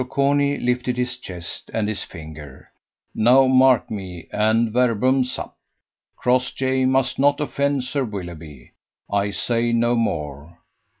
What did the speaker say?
Corney lifted his chest and his finger: "Now mark me, and verbum sap: Crossjay must not offend Sir Willoughby. I say no more.